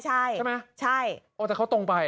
ใช่ไหมใช่โอ้แต่เขาตรงไป